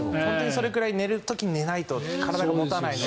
それくらい寝る時に寝ないと体が持たないので。